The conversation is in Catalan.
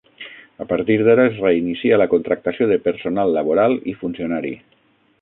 A partir d'ara es reinicia la contractació de personal laboral i funcionari.